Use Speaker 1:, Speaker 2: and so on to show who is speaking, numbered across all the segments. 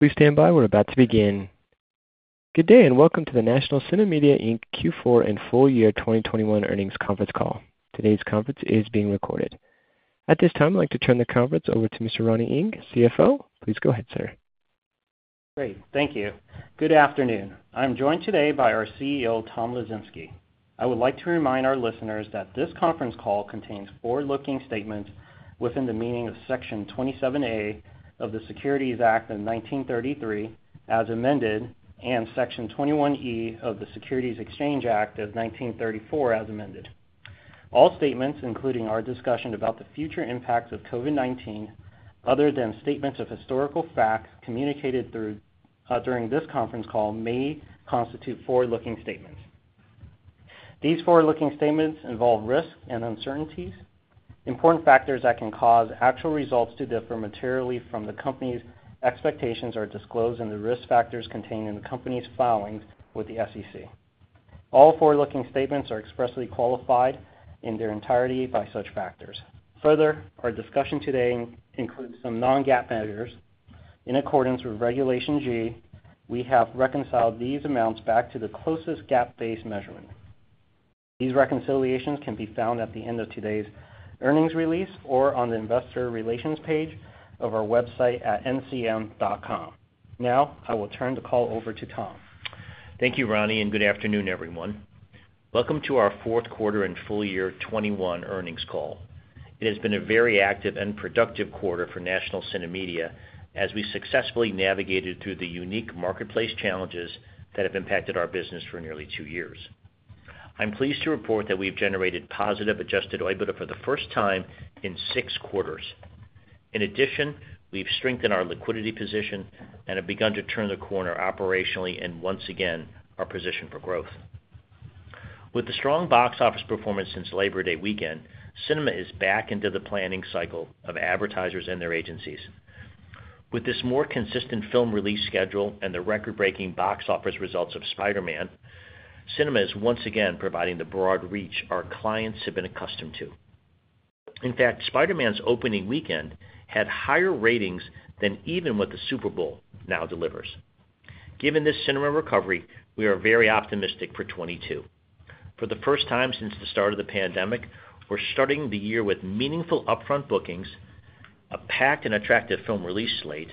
Speaker 1: We're about to begin. Good day, and welcome to the National CineMedia, Inc. Q4 and full year 2021 earnings conference call. Today's conference is being recorded. At this time, I'd like to turn the conference over to Mr. Ronnie Ng, CFO. Please go ahead, sir.
Speaker 2: Great. Thank you. Good afternoon. I'm joined today by our CEO, Tom Lesinski. I would like to remind our listeners that this conference call contains forward-looking statements within the meaning of Section 27A of the Securities Act of 1933, as amended, and Section 21E of the Securities Exchange Act of 1934, as amended. All statements, including our discussion about the future impacts of COVID-19, other than statements of historical facts communicated through, during this conference call, may constitute forward-looking statements. These forward-looking statements involve risks and uncertainties. Important factors that can cause actual results to differ materially from the company's expectations are disclosed in the risk factors contained in the company's filings with the SEC. All forward-looking statements are expressly qualified in their entirety by such factors. Further, our discussion today includes some non-GAAP measures. In accordance with Regulation G, we have reconciled these amounts back to the closest GAAP-based measurement. These reconciliations can be found at the end of today's earnings release or on the investor relations page of our website at ncm.com. Now I will turn the call over to Tom.
Speaker 3: Thank you, Ronnie, and good afternoon, everyone. Welcome to our fourth quarter and full year 2021 earnings call. It has been a very active and productive quarter for National CineMedia as we successfully navigated through the unique marketplace challenges that have impacted our business for nearly two years. I'm pleased to report that we've generated positive Adjusted OIBDA for the first time in six quarters. In addition, we've strengthened our liquidity position and have begun to turn the corner operationally and once again are positioned for growth. With the strong box office performance since Labor Day weekend, cinema is back into the planning cycle of advertisers and their agencies. With this more consistent film release schedule and the record-breaking box office results of Spider-Man, cinema is once again providing the broad reach our clients have been accustomed to. In fact, Spider-Man's opening weekend had higher ratings than even what the Super Bowl now delivers. Given this cinema recovery, we are very optimistic for 2022. For the first time since the start of the pandemic, we're starting the year with meaningful upfront bookings, a packed and attractive film release slate,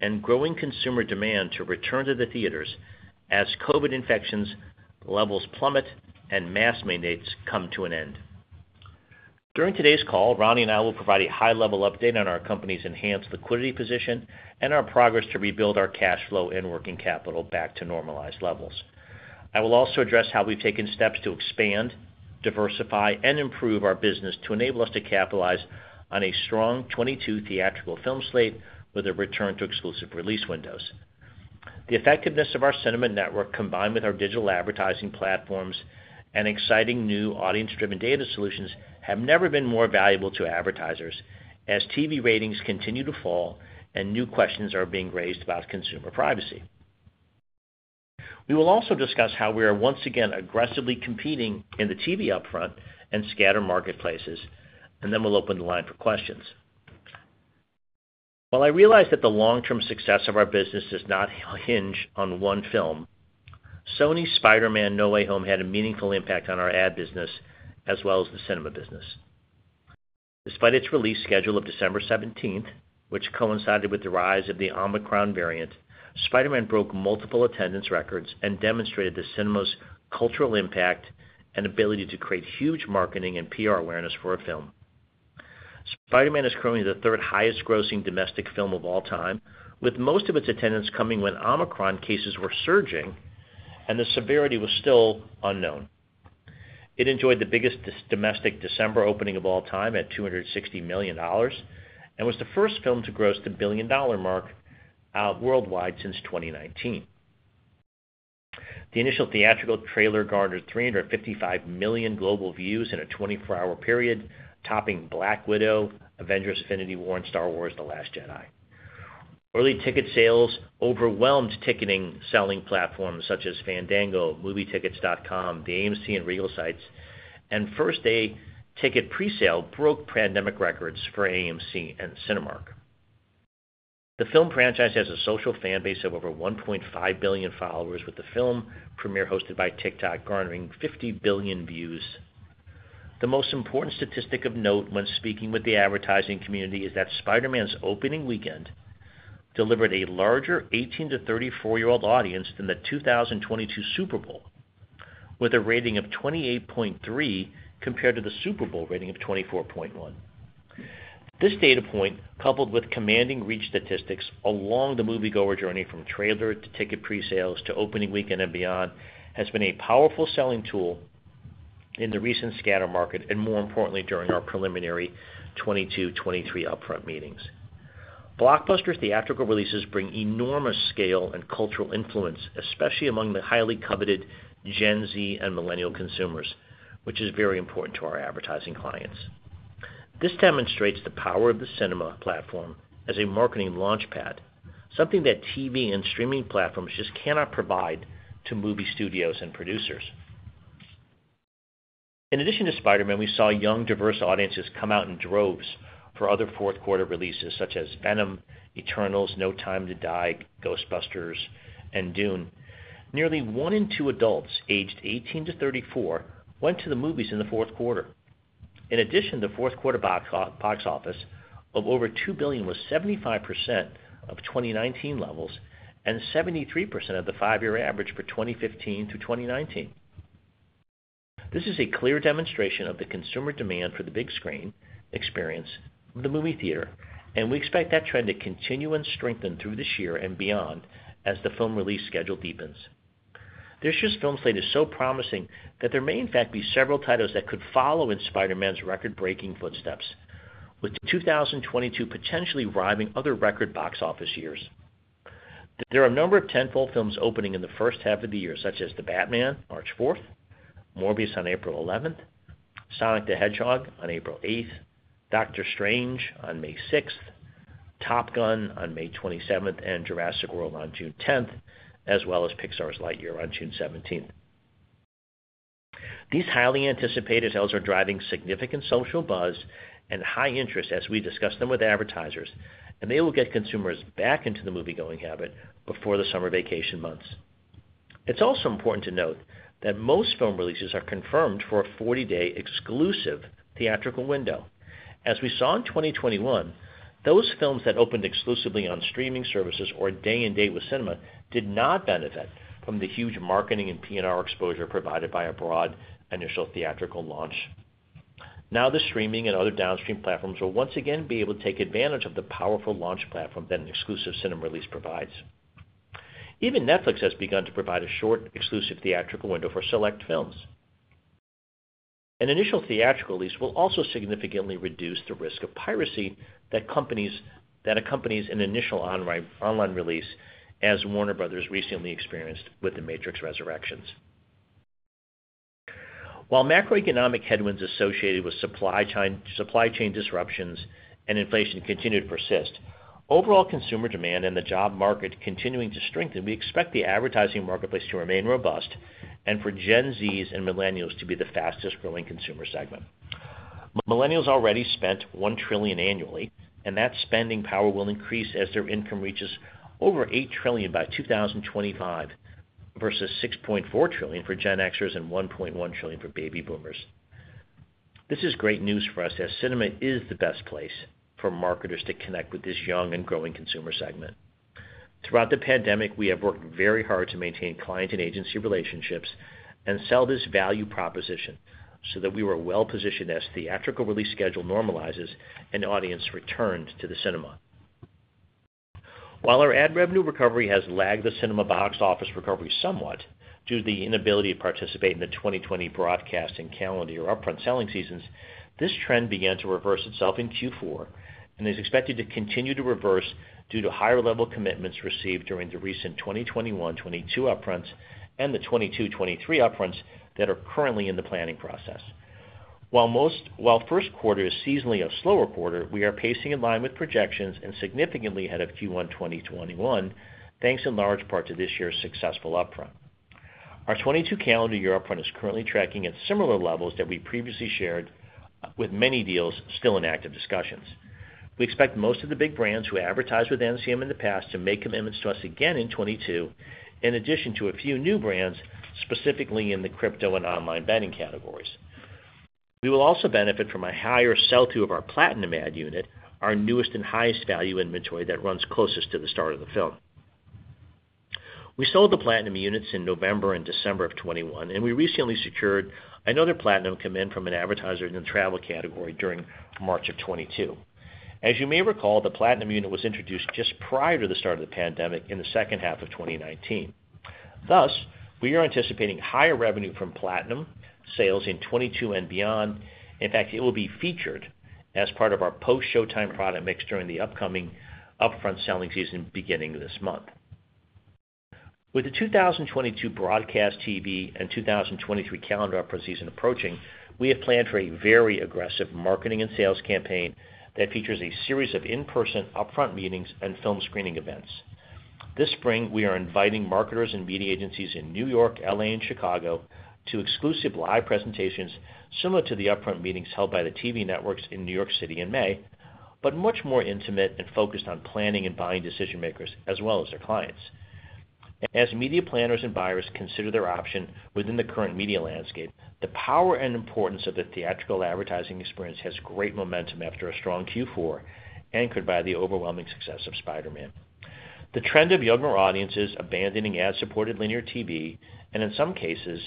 Speaker 3: and growing consumer demand to return to the theaters as COVID infection levels plummet and mask mandates come to an end. During today's call, Ronnie and I will provide a high-level update on our company's enhanced liquidity position and our progress to rebuild our cash flow and working capital back to normalized levels. I will also address how we've taken steps to expand, diversify, and improve our business to enable us to capitalize on a strong 2022 theatrical film slate with a return to exclusive release windows. The effectiveness of our cinema network, combined with our digital advertising platforms and exciting new audience-driven data solutions, have never been more valuable to advertisers as TV ratings continue to fall and new questions are being raised about consumer privacy. We will also discuss how we are once again aggressively competing in the TV upfront and scatter marketplaces, and then we'll open the line for questions. While I realize that the long-term success of our business does not hinge on one film, Sony's Spider-Man: No Way Home had a meaningful impact on our ad business as well as the cinema business. Despite its release schedule of December seventeenth, which coincided with the rise of the Omicron variant, Spider-Man broke multiple attendance records and demonstrated the cinema's cultural impact and ability to create huge marketing and PR awareness for a film. Spider-Man is currently the third highest grossing domestic film of all time, with most of its attendance coming when Omicron cases were surging and the severity was still unknown. It enjoyed the biggest domestic December opening of all time at $260 million and was the first film to gross the billion-dollar mark worldwide since 2019. The initial theatrical trailer garnered 355 million global views in a 24-hour period, topping Black Widow, Avengers: Infinity War, and Star Wars: The Last Jedi. Early ticket sales overwhelmed ticket-selling platforms such as Fandango, MovieTickets.com, the AMC, and Regal sites. First day ticket presale broke pandemic records for AMC and Cinemark. The film franchise has a social fan base of over 1.5 billion followers, with the film premiere hosted by TikTok garnering 50 billion views. The most important statistic of note when speaking with the advertising community is that Spider-Man’s opening weekend delivered a larger 18-34 year old audience than the 2022 Super Bowl, with a rating of 28.3 compared to the Super Bowl rating of 24.1. This data point, coupled with commanding reach statistics along the moviegoer journey from trailer to ticket presales to opening weekend and beyond, has been a powerful selling tool in the recent scatter market and more importantly, during our preliminary 2022-2023 upfront meetings. Blockbuster theatrical releases bring enormous scale and cultural influence, especially among the highly coveted Gen Z and millennial consumers, which is very important to our advertising clients. This demonstrates the power of the cinema platform as a marketing launch pad, something that TV and streaming platforms just cannot provide to movie studios and producers. In addition to Spider-Man, we saw young, diverse audiences come out in droves for other fourth quarter releases such as Venom, Eternals, No Time to Die, Ghostbusters, and Dune. Nearly one in two adults aged 18-34 went to the movies in the fourth quarter. In addition, the fourth quarter box office of over $2 billion was 75% of 2019 levels and 73% of the five-year average for 2015-2019. This is a clear demonstration of the consumer demand for the big screen experience of the movie theater, and we expect that trend to continue and strengthen through this year and beyond as the film release schedule deepens. This year's film slate is so promising that there may in fact be several titles that could follow in Spider-Man's record-breaking footsteps, with 2022 potentially rivaling other record box office years. There are a number of 10 fold films opening in the first half of the year, such as The Batman March 4th, Morbius on April 11th, Sonic the Hedgehog on April 8th, Doctor Strange on May 6th, Top Gun on May 27th, and Jurassic World on June 10th, as well as Pixar's Lightyear on June 17th. These highly anticipated titles are driving significant social buzz and high interest as we discuss them with advertisers, and they will get consumers back into the movie-going habit before the summer vacation months. It's also important to note that most film releases are confirmed for a 40-day exclusive theatrical window. As we saw in 2021, those films that opened exclusively on streaming services or day-and-date with cinema did not benefit from the huge marketing and PR exposure provided by a broad initial theatrical launch. Now the streaming and other downstream platforms will once again be able to take advantage of the powerful launch platform that an exclusive cinema release provides. Even Netflix has begun to provide a short exclusive theatrical window for select films. An initial theatrical release will also significantly reduce the risk of piracy that accompanies an initial online release, as Warner Bros. recently experienced with The Matrix Resurrections. While macroeconomic headwinds associated with supply chain disruptions and inflation continue to persist, overall consumer demand and the job market continuing to strengthen, we expect the advertising marketplace to remain robust and for Gen Z and millennials to be the fastest-growing consumer segment. Millennials already spent $1 trillion annually, and that spending power will increase as their income reaches over $8 trillion by 2025, versus $6.4 trillion for Gen Xers and $1.1 trillion for baby boomers. This is great news for us, as cinema is the best place for marketers to connect with this young and growing consumer segment. Throughout the pandemic, we have worked very hard to maintain client and agency relationships and sell this value proposition so that we were well-positioned as theatrical release schedule normalizes and audience returns to the cinema. While our ad revenue recovery has lagged the cinema box office recovery somewhat due to the inability to participate in the 2020 broadcasting calendar year upfront selling seasons, this trend began to reverse itself in Q4 and is expected to continue to reverse due to higher level commitments received during the recent 2021-2022 upfronts and the 2022-2023 upfronts that are currently in the planning process. While first quarter is seasonally a slower quarter, we are pacing in line with projections and significantly ahead of Q1 2021, thanks in large part to this year's successful upfront. Our 2022 calendar year upfront is currently tracking at similar levels that we previously shared, with many deals still in active discussions. We expect most of the big brands who advertised with NCM in the past to make commitments to us again in 2022, in addition to a few new brands, specifically in the crypto and online betting categories. We will also benefit from a higher sell-through of our Platinum ad unit, our newest and highest value inventory that runs closest to the start of the film. We sold the Platinum units in November and December of 2021, and we recently secured another Platinum commit from an advertiser in the travel category during March of 2022. As you may recall, the Platinum unit was introduced just prior to the start of the pandemic in the second half of 2019. Thus, we are anticipating higher revenue from Platinum sales in 2022 and beyond. In fact, it will be featured as part of our post-showtime product mix during the upcoming upfront selling season beginning this month. With the 2022 broadcast TV and 2023 calendar upfront season approaching, we have planned for a very aggressive marketing and sales campaign that features a series of in-person upfront meetings and film screening events. This spring, we are inviting marketers and media agencies in New York, L.A., and Chicago to exclusive live presentations similar to the upfront meetings held by the TV networks in New York City in May, but much more intimate and focused on planning and buying decision makers as well as their clients. As media planners and buyers consider their option within the current media landscape, the power and importance of the theatrical advertising experience has great momentum after a strong Q4, anchored by the overwhelming success of Spider-Man. The trend of younger audiences abandoning ad-supported linear TV, and in some cases,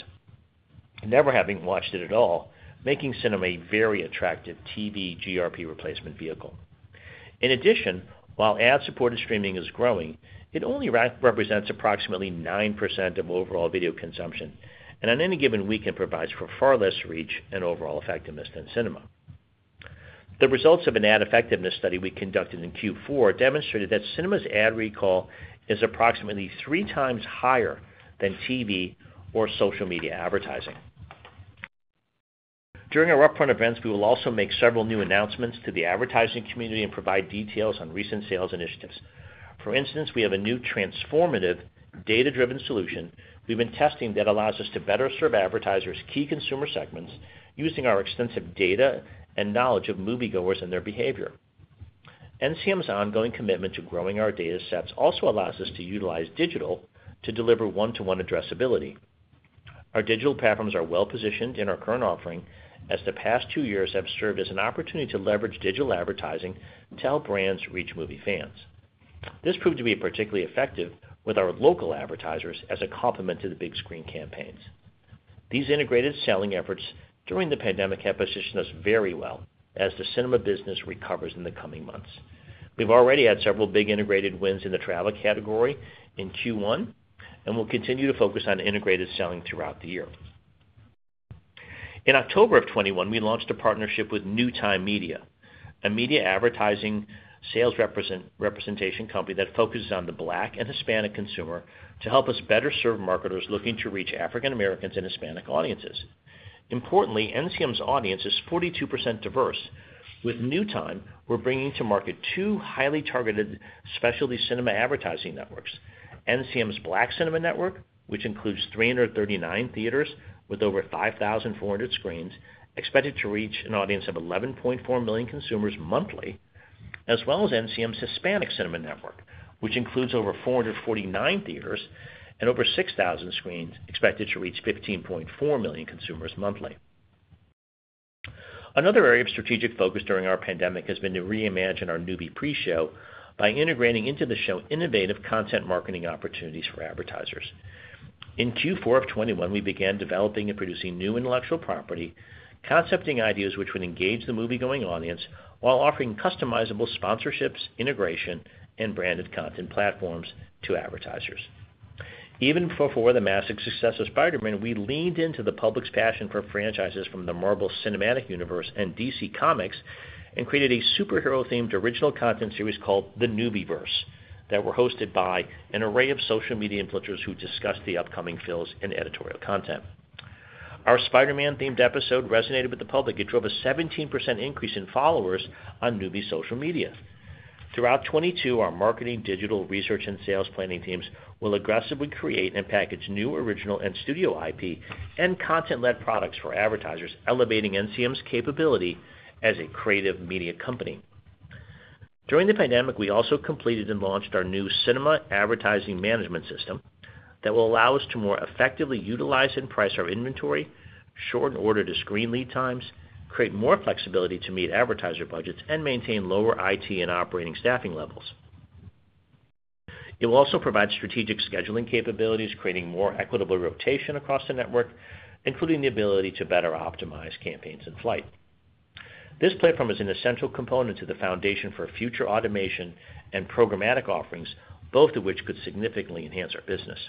Speaker 3: never having watched it at all, making cinema a very attractive TV GRP replacement vehicle. In addition, while ad-supported streaming is growing, it only represents approximately 9% of overall video consumption, and on any given weekend, provides for far less reach and overall effectiveness than cinema. The results of an ad effectiveness study we conducted in Q4 demonstrated that cinema's ad recall is approximately three times higher than TV or social media advertising. During our upfront events, we will also make several new announcements to the advertising community and provide details on recent sales initiatives. For instance, we have a new transformative data-driven solution we've been testing that allows us to better serve advertisers' key consumer segments using our extensive data and knowledge of moviegoers and their behavior. NCM's ongoing commitment to growing our datasets also allows us to utilize digital to deliver one-to-one addressability. Our digital platforms are well-positioned in our current offering as the past two years have served as an opportunity to leverage digital advertising to help brands reach movie fans. This proved to be particularly effective with our local advertisers as a complement to the big screen campaigns. These integrated selling efforts during the pandemic have positioned us very well as the cinema business recovers in the coming months. We've already had several big integrated wins in the travel category in Q1, and we'll continue to focus on integrated selling throughout the year. In October 2021, we launched a partnership with NuTime Media, a media advertising sales representation company that focuses on the Black and Hispanic consumer to help us better serve marketers looking to reach African Americans and Hispanic audiences. Importantly, NCM's audience is 42% diverse. With NuTime, we're bringing to market two highly targeted specialty cinema advertising networks, NCM's Black Cinema Network, which includes 339 theaters with over 5,400 screens, expected to reach an audience of 11.4 million consumers monthly, as well as NCM's Hispanic Cinema Network, which includes over 449 theaters and over 6,000 screens expected to reach 15.4 million consumers monthly. Another area of strategic focus during the pandemic has been to re-imagine our Noovie pre-show by integrating into the show innovative content marketing opportunities for advertisers. In Q4 of 2021, we began developing and producing new intellectual property, concepting ideas which would engage the movie going audience while offering customizable sponsorships, integration, and branded content platforms to advertisers. Even before the massive success of Spider-Man, we leaned into the public's passion for franchises from the Marvel Cinematic Universe and DC Comics and created a superhero-themed original content series called the Noovieverse that were hosted by an array of social media influencers who discussed the upcoming films and editorial content. Our Spider-Man-themed episode resonated with the public. It drove a 17% increase in followers on Noovie social media. Throughout 2022, our marketing, digital, research, and sales planning teams will aggressively create and package new original and studio IP and content-led products for advertisers, elevating NCM's capability as a creative media company. During the pandemic, we also completed and launched our new cinema advertising management system that will allow us to more effectively utilize and price our inventory, shorten order-to-screen lead times, create more flexibility to meet advertiser budgets, and maintain lower IT and operating staffing levels. It will also provide strategic scheduling capabilities, creating more equitable rotation across the network, including the ability to better optimize campaigns in flight. This platform is an essential component to the foundation for future automation and programmatic offerings, both of which could significantly enhance our business.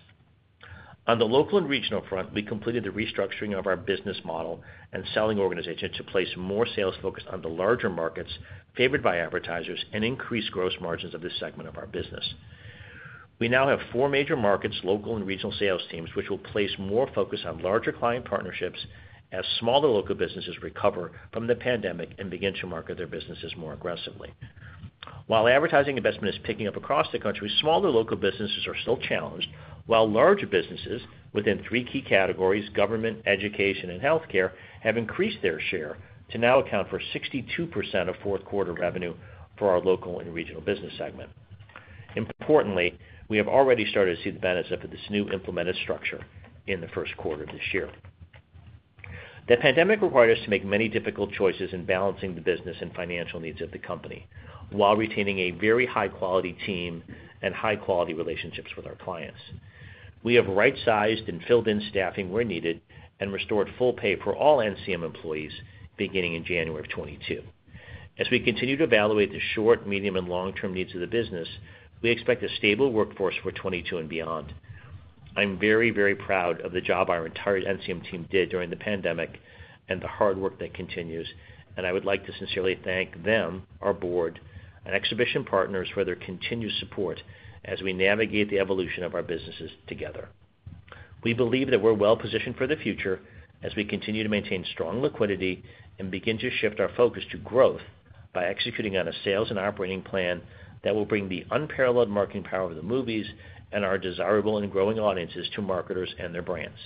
Speaker 3: On the local and regional front, we completed the restructuring of our business model and selling organization to place more sales focus on the larger markets favored by advertisers and increase gross margins of this segment of our business. We now have four major markets, local and regional sales teams, which will place more focus on larger client partnerships as smaller local businesses recover from the pandemic and begin to market their businesses more aggressively. While advertising investment is picking up across the country, smaller local businesses are still challenged, while larger businesses within three key categories, government, education, and healthcare, have increased their share to now account for 62% of fourth quarter revenue for our local and regional business segment. Importantly, we have already started to see the benefits of this new implemented structure in the first quarter of this year. The pandemic required us to make many difficult choices in balancing the business and financial needs of the company while retaining a very high-quality team and high-quality relationships with our clients. We have right-sized and filled in staffing where needed and restored full pay for all NCM employees beginning in January 2022. As we continue to evaluate the short, medium, and long-term needs of the business, we expect a stable workforce for 2022 and beyond. I'm very, very proud of the job our entire NCM team did during the pandemic and the hard work that continues, and I would like to sincerely thank them, our board, and exhibition partners for their continued support as we navigate the evolution of our businesses together. We believe that we're well-positioned for the future as we continue to maintain strong liquidity and begin to shift our focus to growth by executing on a sales and operating plan that will bring the unparalleled marketing power of the movies and our desirable and growing audiences to marketers and their brands.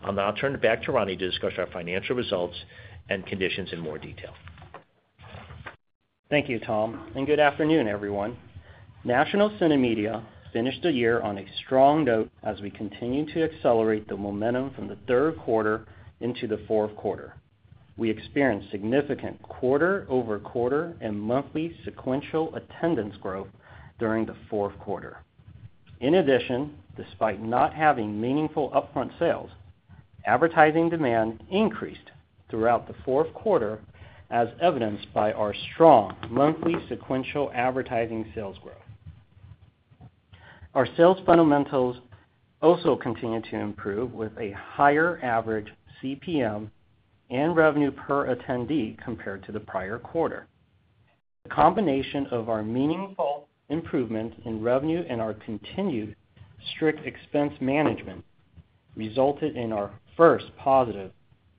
Speaker 3: I'll now turn it back to Ronnie to discuss our financial results and conditions in more detail.
Speaker 2: Thank you, Tom, and good afternoon, everyone. National CineMedia finished the year on a strong note as we continued to accelerate the momentum from the third quarter into the fourth quarter. We experienced significant quarter-over-quarter and monthly sequential attendance growth during the fourth quarter. In addition, despite not having meaningful upfront sales, advertising demand increased throughout the fourth quarter, as evidenced by our strong monthly sequential advertising sales growth. Our sales fundamentals also continued to improve with a higher average CPM and revenue per attendee compared to the prior quarter. The combination of our meaningful improvement in revenue and our continued strict expense management resulted in our first positive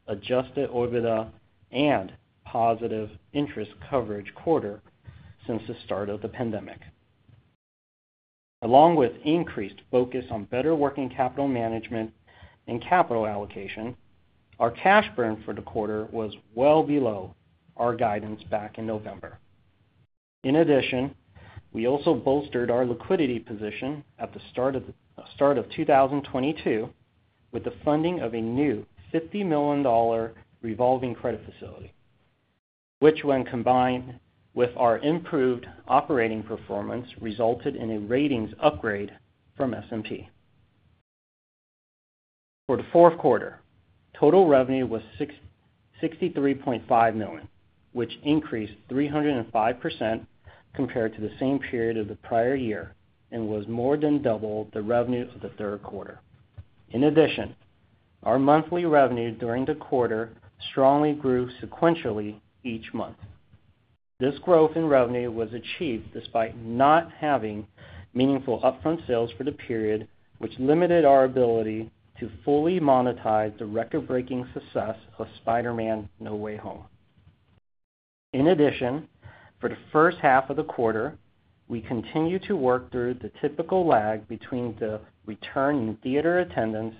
Speaker 2: Adjusted OIBDA and positive interest coverage quarter since the start of the pandemic. Along with increased focus on better working capital management and capital allocation, our cash burn for the quarter was well below our guidance back in November. In addition, we also bolstered our liquidity position at the start of 2022 with the funding of a new $50 million revolving credit facility, which when combined with our improved operating performance, resulted in a ratings upgrade from S&P. For the fourth quarter, total revenue was $63.5 million, which increased 305% compared to the same period of the prior year and was more than double the revenue for the third quarter. In addition, our monthly revenue during the quarter strongly grew sequentially each month. This growth in revenue was achieved despite not having meaningful upfront sales for the period, which limited our ability to fully monetize the record-breaking success of Spider-Man: No Way Home. In addition, for the first half of the quarter, we continued to work through the typical lag between the return in theater attendance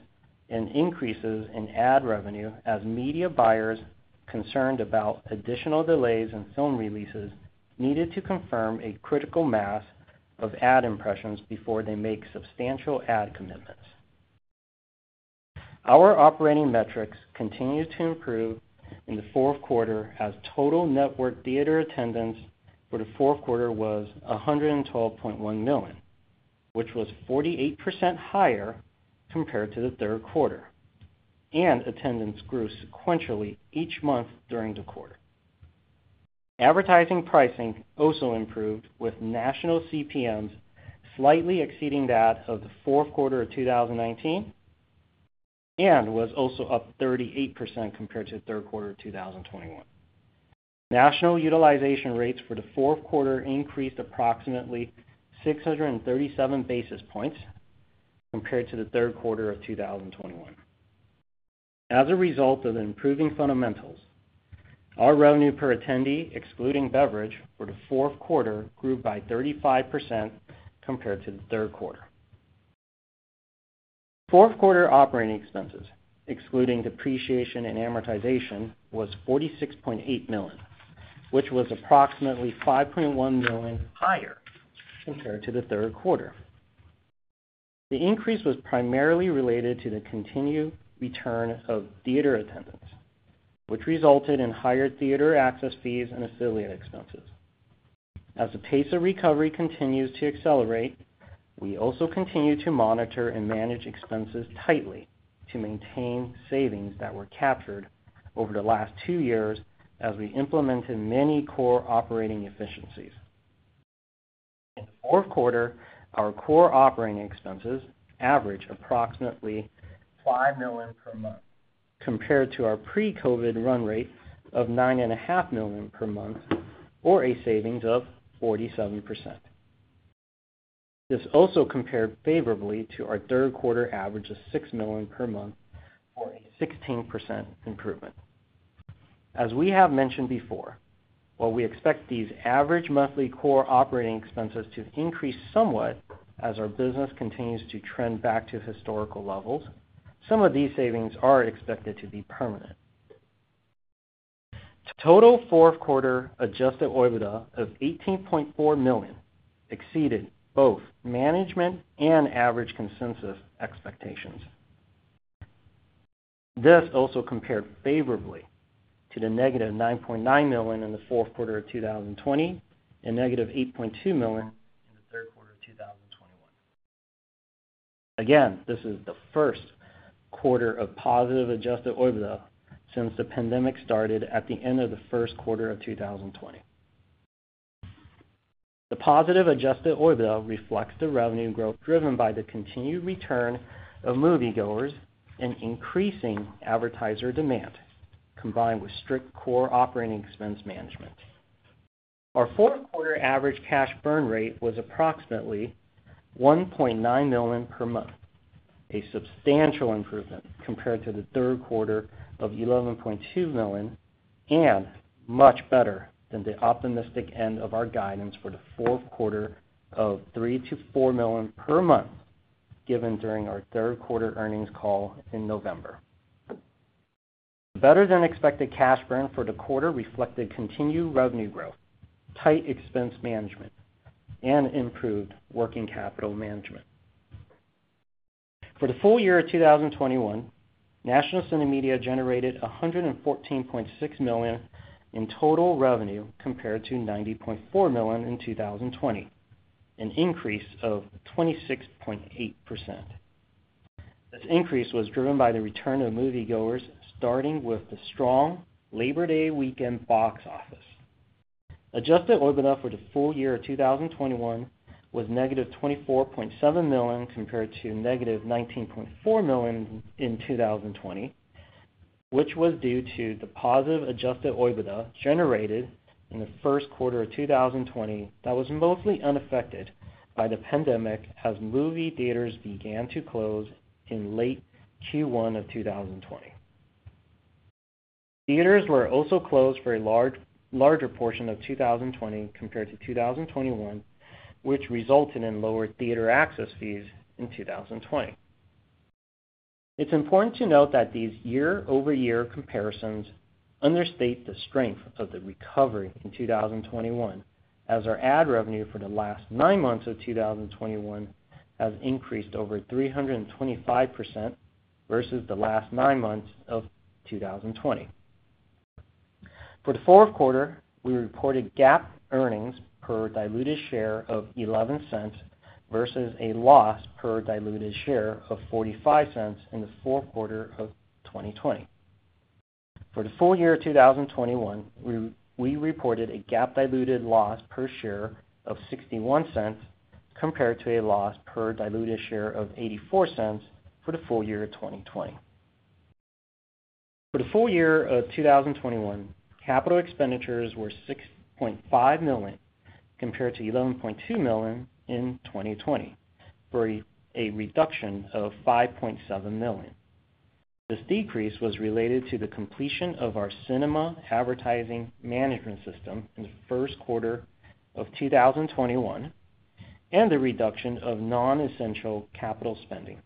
Speaker 2: and increases in ad revenue as media buyers concerned about additional delays in film releases needed to confirm a critical mass of ad impressions before they make substantial ad commitments. Our operating metrics continued to improve in the fourth quarter, as total network theater attendance for the fourth quarter was 112.1 million, which was 48% higher compared to the third quarter, and attendance grew sequentially each month during the quarter. Advertising pricing also improved with national CPMs slightly exceeding that of the fourth quarter of 2019 and was also up 38% compared to the third quarter of 2021. National utilization rates for the fourth quarter increased approximately 637 basis points compared to the third quarter of 2021. As a result of improving fundamentals, our revenue per attendee, excluding beverage, for the fourth quarter grew by 35% compared to the third quarter. Fourth quarter operating expenses, excluding depreciation and amortization, was $46.8 million, which was approximately $5.1 million higher compared to the third quarter. The increase was primarily related to the continued return of theater attendance, which resulted in higher theater access fees and affiliate expenses. As the pace of recovery continues to accelerate, we also continue to monitor and manage expenses tightly to maintain savings that were captured over the last two years as we implemented many core operating efficiencies. In the fourth quarter, our core operating expenses averaged approximately $5 million per month compared to our pre-COVID run rate of $9.5 million per month, or a savings of 47%. This also compared favorably to our third quarter average of $6 million per month, or a 16% improvement. As we have mentioned before, while we expect these average monthly core operating expenses to increase somewhat as our business continues to trend back to historical levels, some of these savings are expected to be permanent. Total fourth quarter Adjusted OIBDA of $18.4 million exceeded both management and average consensus expectations. This also compared favorably to the -$9.9 million in the fourth quarter of 2020 and -$8.2 million in the third quarter of 2021. Again, this is the first quarter of positive Adjusted OIBDA since the pandemic started at the end of the first quarter of 2020. The positive Adjusted OIBDA reflects the revenue growth driven by the continued return of moviegoers and increasing advertiser demand, combined with strict core operating expense management. Our fourth quarter average cash burn rate was approximately $1.9 million per month, a substantial improvement compared to the third quarter of $11.2 million, and much better than the optimistic end of our guidance for the fourth quarter of $3 million-$4 million per month given during our third quarter earnings call in November. Better than expected cash burn for the quarter reflected continued revenue growth, tight expense management, and improved working capital management. For the full year of 2021, National CineMedia generated $114.6 million in total revenue compared to $90.4 million in 2020, an increase of 26.8%. This increase was driven by the return of moviegoers, starting with the strong Labor Day weekend box office. Adjusted OIBDA for the full year of 2021 was negative $24.7 million compared to negative $19.4 million in 2020, which was due to the positive adjusted OIBDA generated in the first quarter of 2020 that was mostly unaffected by the pandemic as movie theaters began to close in late Q1 of 2020. Theaters were also closed for a larger portion of 2020 compared to 2021, which resulted in lower theater access fees in 2020. It's important to note that these year-over-year comparisons understate the strength of the recovery in 2021 as our ad revenue for the last nine months of 2021 has increased over 325% versus the last nine months of 2020. For the fourth quarter, we reported GAAP earnings per diluted share of $0.11 versus a loss per diluted share of $0.45 in the fourth quarter of 2020. For the full year of 2021, we reported a GAAP diluted loss per share of $0.61 compared to a loss per diluted share of $0.84 for the full year of 2020. For the full year of 2021, capital expenditures were $6.5 million compared to $11.2 million in 2020, for a reduction of $5.7 million. This decrease was related to the completion of our cinema advertising management system in the first quarter of 2021 and the reduction of non-essential capital spending.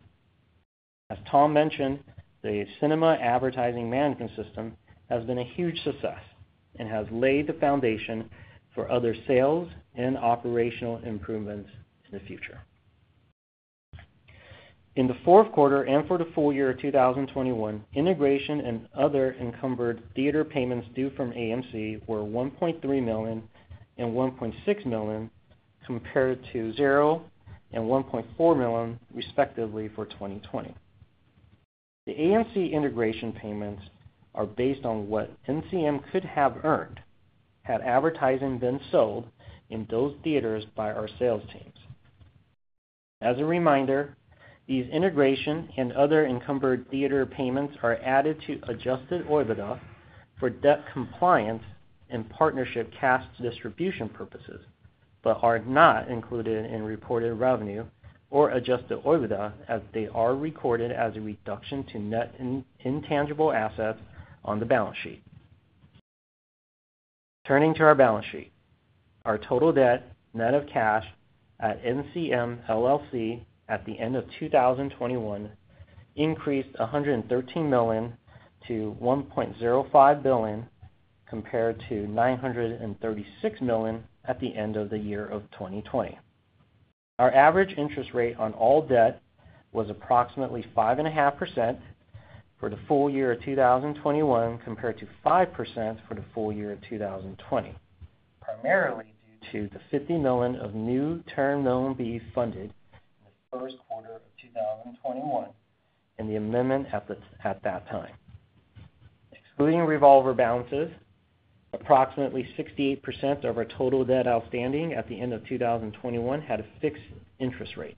Speaker 2: As Tom mentioned, the cinema advertising management system has been a huge success and has laid the foundation for other sales and operational improvements in the future. In the fourth quarter and for the full year of 2021, integration and other encumbered theater payments due from AMC were $1.3 million and $1.6 million compared to $0 and $1.4 million, respectively, for 2020. The AMC integration payments are based on what NCM could have earned had advertising been sold in those theaters by our sales teams. As a reminder, these integration and other encumbered theater payments are added to Adjusted OIBDA for debt compliance and partnership cash distribution purposes, but are not included in reported revenue or Adjusted OIBDA as they are recorded as a reduction to net intangible assets on the balance sheet. Turning to our balance sheet. Our total debt net of cash at NCM LLC at the end of 2021 increased $113 million-$1.05 billion compared to $936 million at the end of 2020. Our average interest rate on all debt was approximately 5.5% for the full year of 2021 compared to 5% for the full year of 2020, primarily due to the $50 million of new Term Loan B funded in the first quarter of 2021 and the amendment at that time. Excluding revolver balances, approximately 68% of our total debt outstanding at the end of 2021 had a fixed interest rate.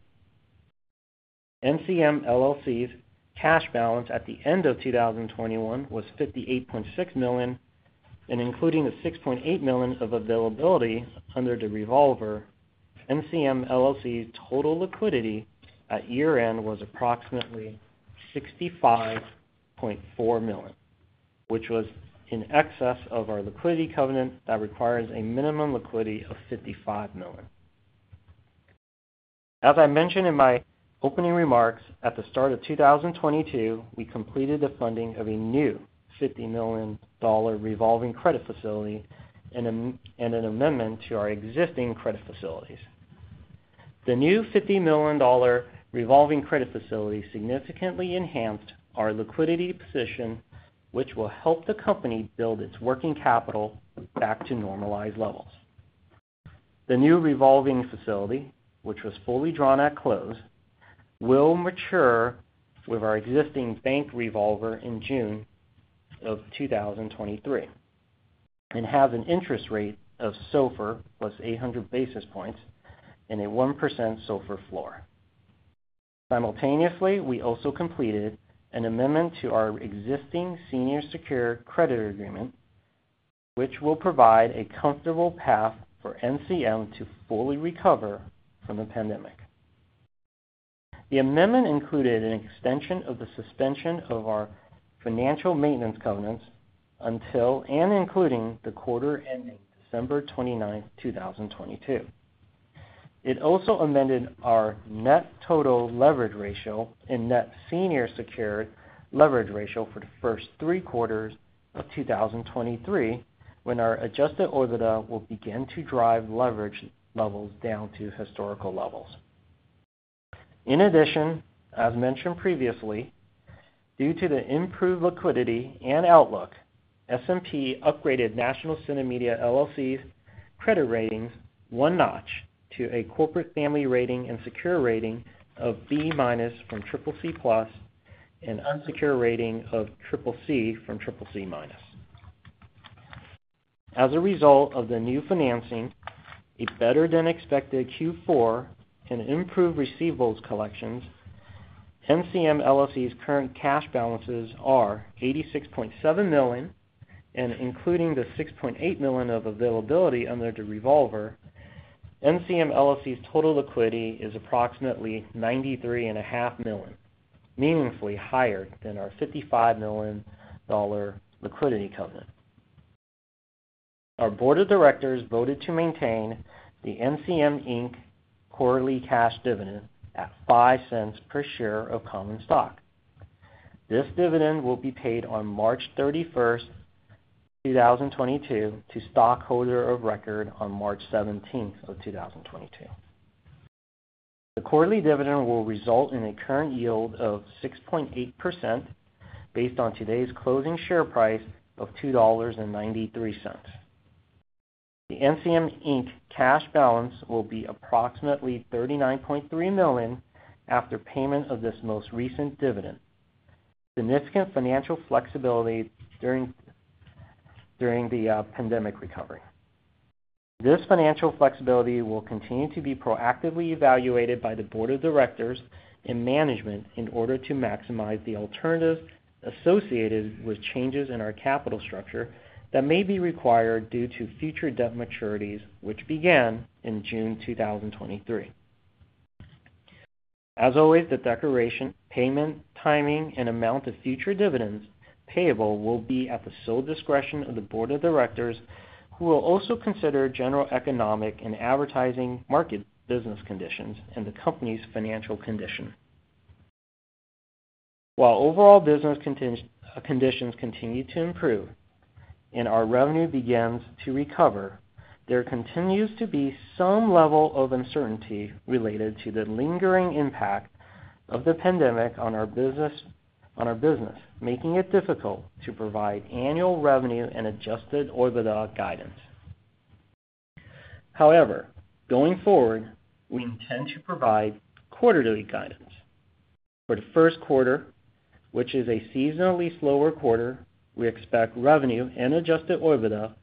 Speaker 2: NCM LLC's cash balance at the end of 2021 was $58.6 million, and including the $6.8 million of availability under the revolver, NCM LLC's total liquidity at year-end was approximately $65.4 million, which was in excess of our liquidity covenant that requires a minimum liquidity of $55 million. As I mentioned in my opening remarks, at the start of 2022, we completed the funding of a new $50 million revolving credit facility and an amendment to our existing credit facilities. The new $50 million revolving credit facility significantly enhanced our liquidity position, which will help the company build its working capital back to normalized levels. The new revolving facility, which was fully drawn at close, will mature with our existing bank revolver in June 2023 and have an interest rate of SOFR plus 800 basis points and a 1% SOFR floor. Simultaneously, we also completed an amendment to our existing senior secured credit agreement, which will provide a comfortable path for NCM to fully recover from the pandemic. The amendment included an extension of the suspension of our financial maintenance covenants until and including the quarter ending December 29th, 2022. It also amended our net total leverage ratio and net senior secured leverage ratio for the first three quarters of 2023, when our Adjusted OIBDA will begin to drive leverage levels down to historical levels. In addition, as mentioned previously, due to the improved liquidity and outlook, S&P upgraded National CineMedia, LLC's credit ratings one notch to a corporate family rating and secure rating of B- from triple C+, and unsecured rating of triple C from triple C-. As a result of the new financing, a better-than-expected Q4 and improved receivables collections, NCM LLC's current cash balances are $86.7 million, and including the $6.8 million of availability under the revolver, NCM LLC's total liquidity is approximately $93.5 million, meaningfully higher than our $55 million liquidity covenant. Our board of directors voted to maintain the NCM Inc. quarterly cash dividend at $0.05 per share of common stock. This dividend will be paid on March 31st, 2022 to stockholder of record on March 17th, 2022. The quarterly dividend will result in a current yield of 6.8% based on today's closing share price of $2.93. The NCM, Inc. Cash balance will be approximately $39.3 million after payment of this most recent dividend, significant financial flexibility during the pandemic recovery. This financial flexibility will continue to be proactively evaluated by the board of directors and management in order to maximize the alternatives associated with changes in our capital structure that may be required due to future debt maturities, which began in June 2023. As always, the declaration, payment, timing, and amount of future dividends payable will be at the sole discretion of the board of directors, who will also consider general economic and advertising market business conditions and the company's financial condition. While overall business conditions continue to improve and our revenue begins to recover, there continues to be some level of uncertainty related to the lingering impact of the pandemic on our business, making it difficult to provide annual revenue and Adjusted OIBDA guidance. However, going forward, we intend to provide quarterly guidance. For the first quarter, which is a seasonally slower quarter, we expect revenue and Adjusted OIBDA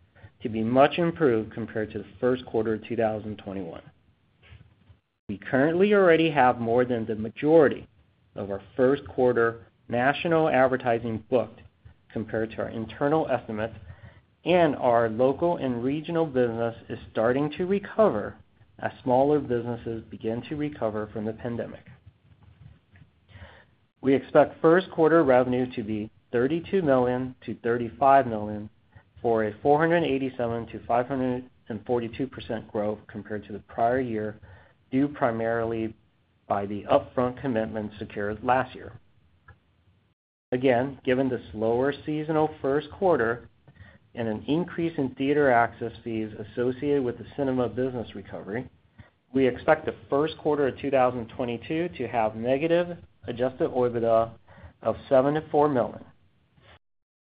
Speaker 2: to be much improved compared to the first quarter of 2021. We currently already have more than the majority of our first quarter national advertising booked compared to our internal estimates, and our local and regional business is starting to recover as smaller businesses begin to recover from the pandemic. We expect first quarter revenue to be $32 million-$35 million, for a 487%-542% growth compared to the prior year, due primarily to the upfront commitment secured last year. Again, given the slower seasonal first quarter and an increase in theater access fees associated with the cinema business recovery, we expect the first quarter of 2022 to have negative adjusted OIBDA of $7 million-$4 million.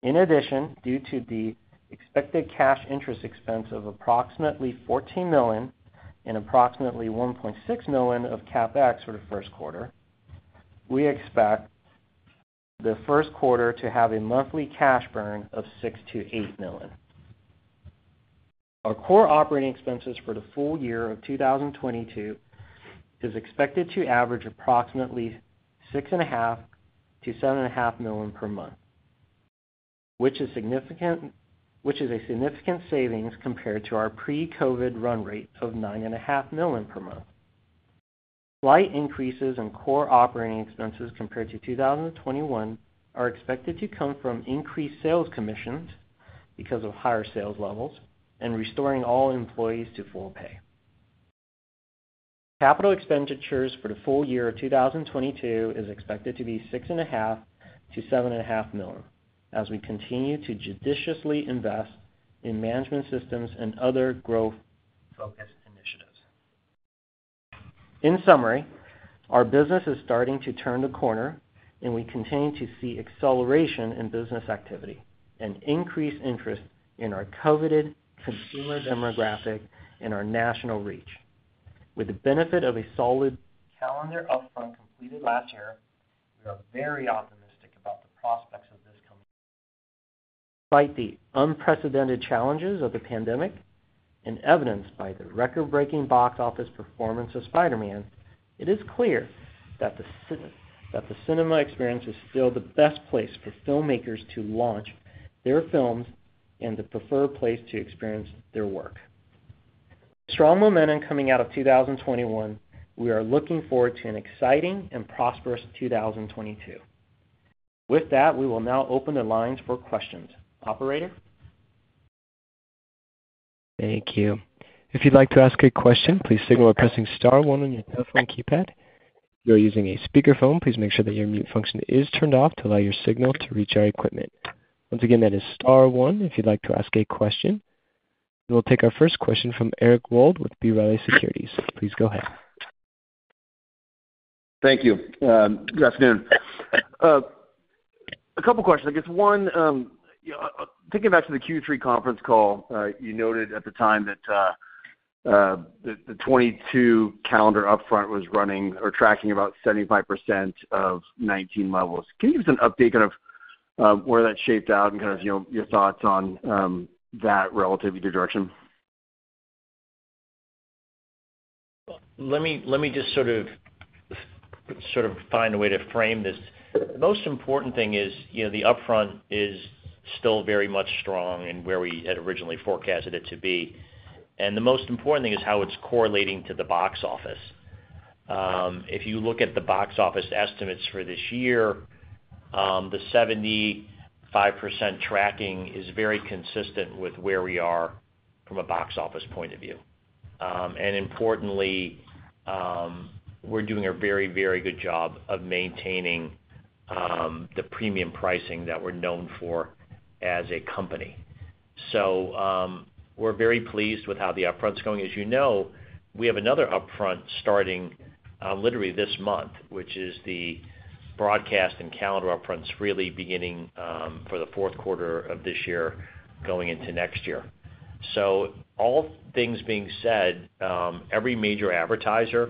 Speaker 2: In addition, due to the expected cash interest expense of approximately $14 million and approximately $1.6 million of CapEx for the first quarter, we expect the first quarter to have a monthly cash burn of $6 million-$8 million. Our core operating expenses for the full year of 2022 is expected to average approximately $6.5 million-$7.5 million per month, which is a significant savings compared to our pre-COVID run rate of $9.5 million per month. Slight increases in core operating expenses compared to 2021 are expected to come from increased sales commissions because of higher sales levels and restoring all employees to full pay. Capital expenditures for the full year of 2022 is expected to be $6.5 million-$7.5 million as we continue to judiciously invest in management systems and other growth-focused initiatives. In summary, our business is starting to turn the corner, and we continue to see acceleration in business activity and increased interest in our coveted consumer demographic and our national reach. With the benefit of a solid calendar upfront completed last year, we are very optimistic about the prospects. Despite the unprecedented challenges of the pandemic and evidenced by the record-breaking box office performance of Spider-Man, it is clear that the cinema experience is still the best place for filmmakers to launch their films and the preferred place to experience their work. Strong momentum coming out of 2021, we are looking forward to an exciting and prosperous 2022. With that, we will now open the lines for questions. Operator?
Speaker 1: Thank you. If you'd like to ask a question, please signal by pressing star one on your telephone keypad. If you're using a speakerphone, please make sure that your mute function is turned off to allow your signal to reach our equipment. Once again, that is star one if you'd like to ask a question. We'll take our first question from Eric Wold with B. Riley Securities. Please go ahead.
Speaker 4: Thank you. Good afternoon. A couple questions. I guess one, you know, thinking back to the Q3 conference call, you noted at the time that the 2022 calendar upfront was running or tracking about 75% of 2019 levels. Can you give us an update, kind of, where that shaped out and kind of, you know, your thoughts on that relative to direction?
Speaker 3: Let me just sort of find a way to frame this. The most important thing is, you know, the upfront is still very much strong and where we had originally forecasted it to be. The most important thing is how it's correlating to the box office. If you look at the box office estimates for this year, the 75% tracking is very consistent with where we are from a box office point of view. And importantly, we're doing a very good job of maintaining the premium pricing that we're known for as a company. We're very pleased with how the upfront's going. As you know, we have another upfront starting literally this month, which is the broadcast and calendar upfronts really beginning for the fourth quarter of this year going into next year. All things being said, every major advertiser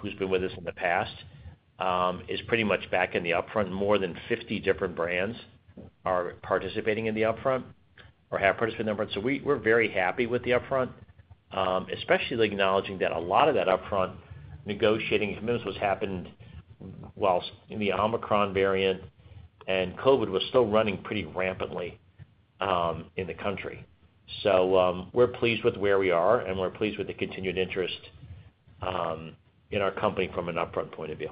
Speaker 3: who's been with us in the past is pretty much back in the upfront. More than 50 different brands are participating in the upfront or have participated in the upfront. We're very happy with the upfront, especially acknowledging that a lot of that upfront negotiating commitments has happened whilst in the Omicron variant and COVID was still running pretty rampantly in the country. We're pleased with where we are, and we're pleased with the continued interest in our company from an upfront point of view.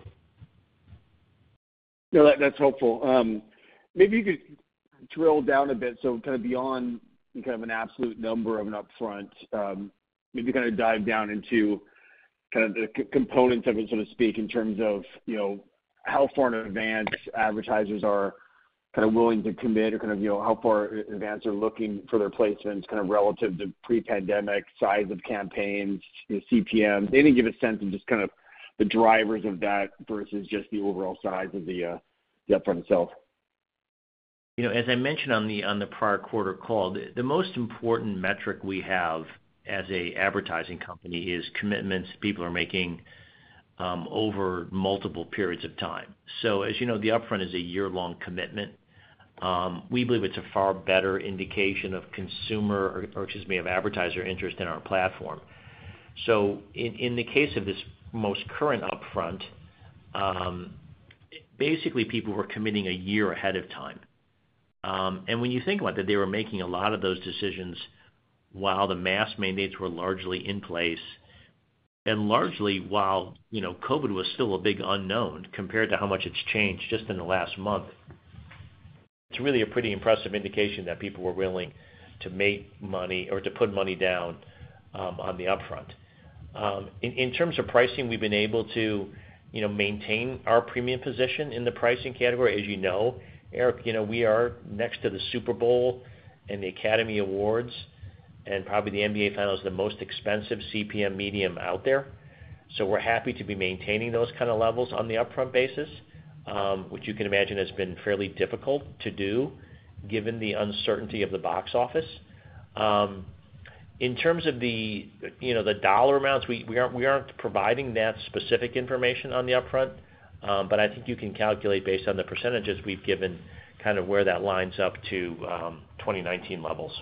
Speaker 4: No, that's helpful. Maybe you could drill down a bit, so kind of beyond kind of an absolute number of an upfront, maybe kind of dive down into kind of the components of it, so to speak, in terms of, you know, how far in advance advertisers are kinda willing to commit or kind of, you know, how far in advance they're looking for their placements kind of relative to pre-pandemic size of campaigns, you know, CPM. Maybe give a sense of just kind of the drivers of that versus just the overall size of the upfront itself.
Speaker 3: You know, as I mentioned on the prior quarter call, the most important metric we have as a advertising company is commitments people are making over multiple periods of time. As you know, the upfront is a year-long commitment. We believe it's a far better indication of consumer or, excuse me, of advertiser interest in our platform. In the case of this most current upfront, basically, people were committing a year ahead of time. When you think about that, they were making a lot of those decisions while the mask mandates were largely in place and largely while, you know, COVID was still a big unknown compared to how much it's changed just in the last month. It's really a pretty impressive indication that people were willing to make money or to put money down on the upfront. In terms of pricing, we've been able to, you know, maintain our premium position in the pricing category. As you know, Eric, you know, we are next to the Super Bowl and the Academy Awards, and probably the NBA Finals is the most expensive CPM medium out there. So we're happy to be maintaining those kind of levels on the upfront basis, which you can imagine has been fairly difficult to do given the uncertainty of the box office. In terms of the, you know, the dollar amounts, we aren't providing that specific information on the upfront. But I think you can calculate based on the percentages we've given kind of where that lines up to 2019 levels.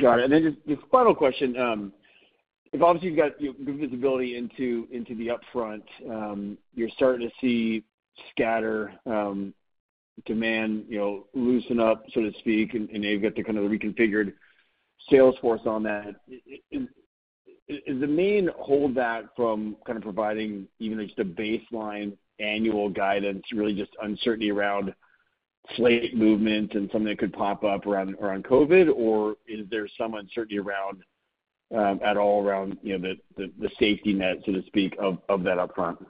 Speaker 4: Got it. Just final question. If obviously you've got good visibility into the upfront, you're starting to see scatter demand, you know, loosen up, so to speak, and now you've got the kind of reconfigured sales force on that. Is the main hold that from kind of providing even just a baseline annual guidance really just uncertainty around slate movement and something that could pop up around COVID, or is there some uncertainty around at all around, you know, the safety net, so to speak, of that upfront?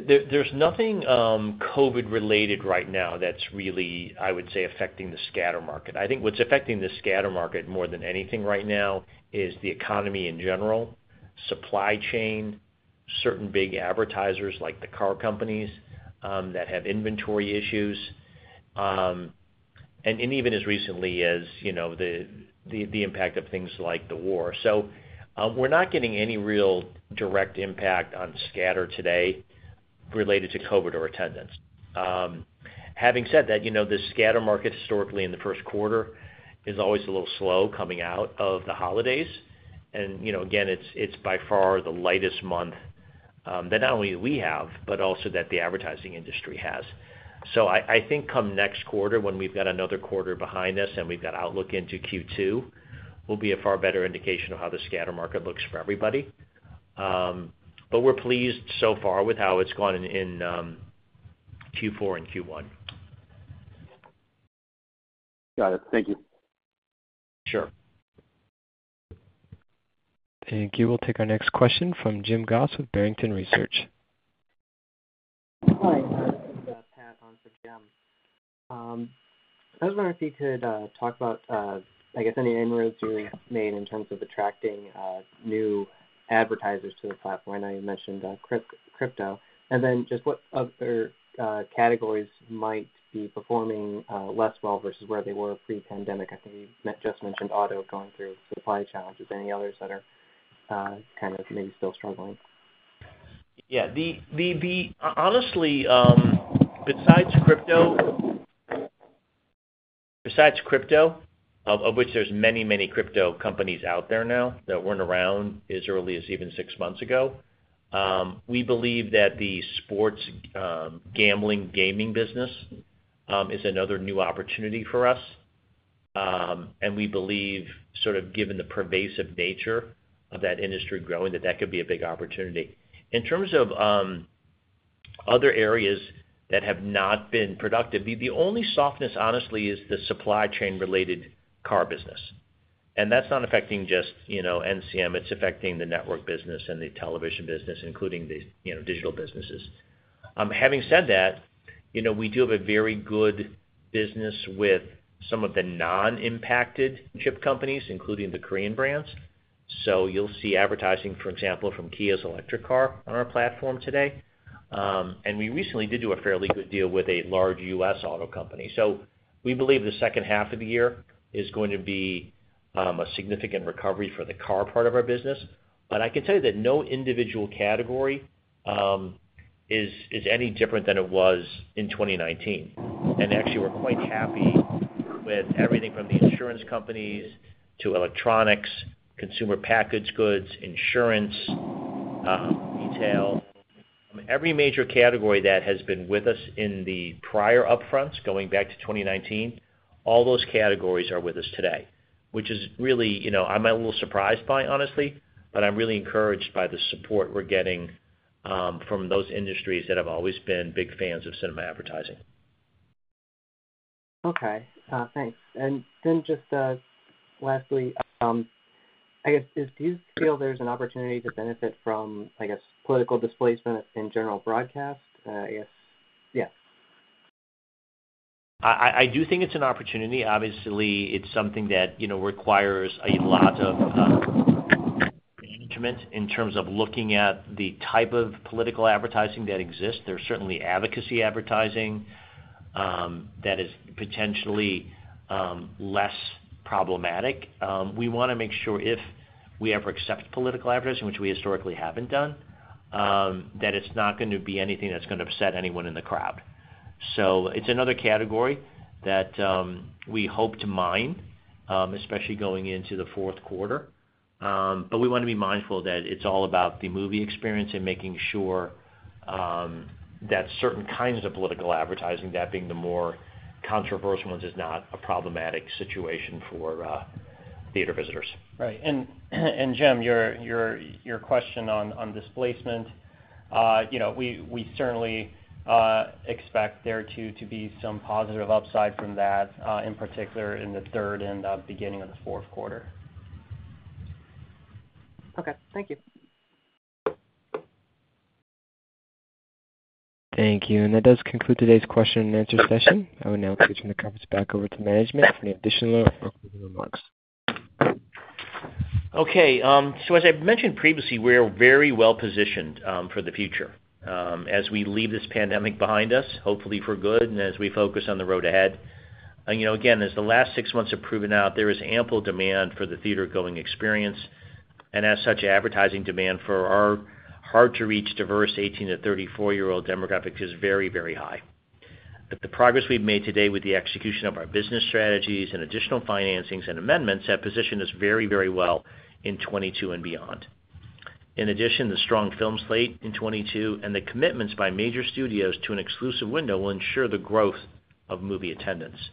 Speaker 3: There's nothing COVID-related right now that's really, I would say, affecting the scatter market. I think what's affecting the scatter market more than anything right now is the economy in general, supply chain, certain big advertisers like the car companies that have inventory issues, and even as recently as, you know, the impact of things like the war. We're not getting any real direct impact on scatter today related to COVID or attendance. Having said that, you know, the scatter market historically in the first quarter is always a little slow coming out of the holidays. Again, it's by far the lightest month that not only we have, but also that the advertising industry has. I think come next quarter when we've got another quarter behind us and we've got outlook into Q2, will be a far better indication of how the scatter market looks for everybody. We're pleased so far with how it's gone in Q4 and Q1.
Speaker 4: Got it. Thank you.
Speaker 3: Sure.
Speaker 1: Thank you. We'll take our next question from Jim Goss with Barrington Research.
Speaker 5: Hi. This is Pat on for Jim. I was wondering if you could talk about, I guess any inroads you made in terms of attracting new advertisers to the platform. I know you mentioned crypto. Just what other categories might be performing less well versus where they were pre-pandemic. I think you just mentioned auto going through supply challenges. Any others that are kind of maybe still struggling?
Speaker 3: Yeah. Honestly, besides crypto, of which there's many crypto companies out there now that weren't around as early as even six months ago, we believe that the sports gambling gaming business is another new opportunity for us. We believe sort of given the pervasive nature of that industry growing, that could be a big opportunity. In terms of other areas that have not been productive, the only softness honestly is the supply chain related car business. That's not affecting just, you know, NCM, it's affecting the network business and the television business, including the, you know, digital businesses. Having said that, you know, we do have a very good business with some of the non-impacted chip companies, including the Korean brands. You'll see advertising, for example, from Kia's electric car on our platform today. We recently did do a fairly good deal with a large U.S. auto company. We believe the second half of the year is going to be a significant recovery for the car part of our business. I can tell you that no individual category is any different than it was in 2019. Actually we're quite happy with everything from the insurance companies to electronics, consumer packaged goods, insurance, retail. Every major category that has been with us in the prior upfronts going back to 2019, all those categories are with us today, which is really, you know, I'm a little surprised by honestly, but I'm really encouraged by the support we're getting from those industries that have always been big fans of cinema advertising.
Speaker 5: Okay. Thanks. Just, lastly, I guess, do you feel there's an opportunity to benefit from, I guess, political displacement in general broadcast, I guess? Yeah.
Speaker 3: I do think it's an opportunity. Obviously, it's something that, you know, requires a lot of management in terms of looking at the type of political advertising that exists. There's certainly advocacy advertising that is potentially less problematic. We wanna make sure if we ever accept political advertising, which we historically haven't done, that it's not gonna be anything that's gonna upset anyone in the crowd. It's another category that we hope to mine, especially going into the fourth quarter. We wanna be mindful that it's all about the movie experience and making sure that certain kinds of political advertising, that being the more controversial ones, is not a problematic situation for theater visitors.
Speaker 2: Right. Jim, your question on displacement, you know, we certainly expect there too to be some positive upside from that, in particular in the third and beginning of the fourth quarter.
Speaker 5: Okay. Thank you.
Speaker 1: Thank you. That does conclude today's question and answer session. I will now turn the conference back over to management for any additional remarks.
Speaker 3: Okay. As I've mentioned previously, we're very well positioned for the future, as we leave this pandemic behind us, hopefully for good, and as we focus on the road ahead. You know, again, as the last six months have proven out, there is ample demand for the theater-going experience. As such, advertising demand for our hard to reach diverse 18-34 year old demographic is very, very high. The progress we've made today with the execution of our business strategies and additional financings and amendments have positioned us very, very well in 2022 and beyond. In addition, the strong film slate in 2022 and the commitments by major studios to an exclusive window will ensure the growth of movie attendance.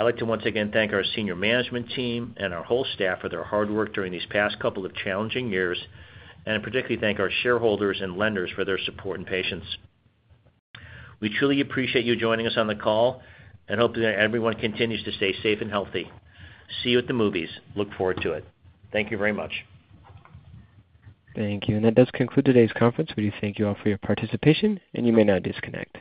Speaker 3: I'd like to once again thank our senior management team and our whole staff for their hard work during these past couple of challenging years, and particularly thank our shareholders and lenders for their support and patience. We truly appreciate you joining us on the call and hope that everyone continues to stay safe and healthy. See you at the movies. Look forward to it. Thank you very much.
Speaker 1: Thank you. That does conclude today's conference. We thank you all for your participation, and you may now disconnect.